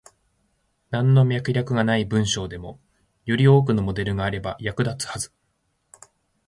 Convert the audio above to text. なんの脈絡がない文章でも、より多くのモデルがあれば役立つはず。